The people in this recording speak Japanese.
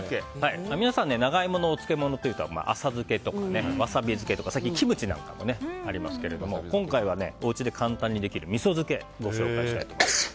皆さん、長イモのお漬物というと浅漬けとか、ワサビ漬けとか最近キムチなんかもありますけど今回はお家で簡単にできるみそ漬けをご紹介したいと思います。